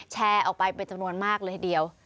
แชร์ออกไปเป็นจำนวนมากเลยทีเดียว